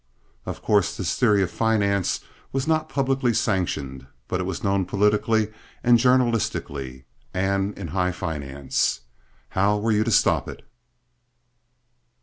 Of course, this theory of finance was not publicly sanctioned, but it was known politically and journalistically, and in high finance. How were you to stop it?